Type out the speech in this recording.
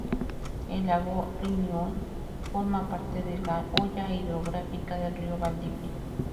El lago Riñihue forma parte de la hoya hidrográfica del río Valdivia.